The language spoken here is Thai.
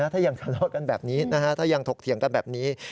ถ้ายังทะเลาะกันแบบนี้ถ้ายังถกเถียงกันแบบนี้